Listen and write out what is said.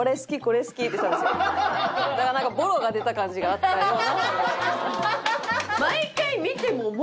だからなんかボロが出た感じがあったような。